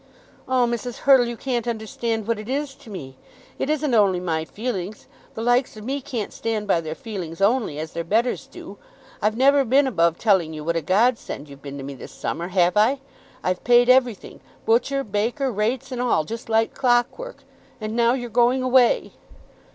"Oh, Mrs. Hurtle, you can't understand what it is to me. It isn't only my feelings. The likes of me can't stand by their feelings only, as their betters do. I've never been above telling you what a godsend you've been to me this summer; have I? I've paid everything, butcher, baker, rates and all, just like clockwork. And now you're going away!"